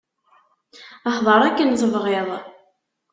Hder akken tebɣiḍ.